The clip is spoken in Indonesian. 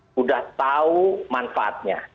sudah tahu manfaatnya